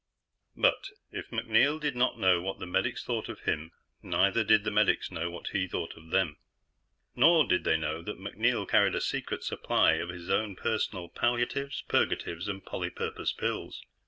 But, if MacNeil did not know what the medics thought of him, neither did the medics know what he thought of them. Nor did they know that MacNeil carried a secret supply of his own personal palliatives, purgatives and poly purpose pills.